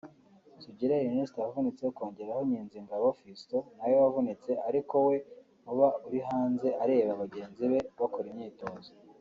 Sugira Ernest wavunitse ukongeraho Nkinzingabo Fiston nawe wavunitse ariko we uba uri hanze areba bagenzi be bakora imyitozo